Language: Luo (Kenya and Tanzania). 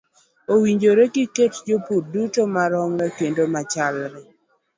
Owinjore giket jopur duto maromre kendo machalre.